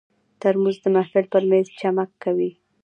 ترموز د محفل پر مېز چمک کوي.